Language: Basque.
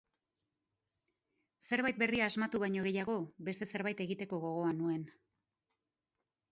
Zerbait berria asmatu baino gehiago, beste zerbait egiteko gogoa nuen.